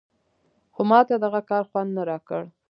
خو ماته دغه کار خوند نه راکړ.